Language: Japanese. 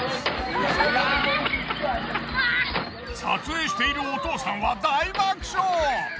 撮影しているお父さんは大爆笑。